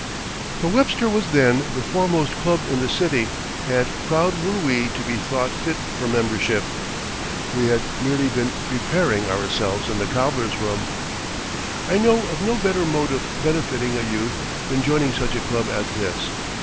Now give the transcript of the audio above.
The "Webster" was then the foremost club in the city and proud were we to be thought fit for membership. We had merely been preparing ourselves in the cobbler's room. I know of no better mode of benefiting a youth than joining such a club as this.